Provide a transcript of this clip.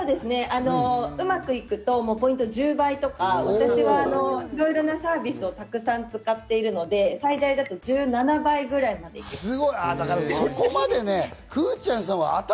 うまくいくとポイント１０倍とか私はいろいろなサービスをたくさん使っているので最大だと１７倍くらいまでいきます。